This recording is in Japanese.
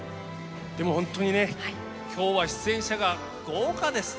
でも本当にね今日は出演者が豪華です。